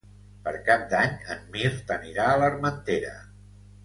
Per Cap d'Any en Mirt anirà a l'Armentera.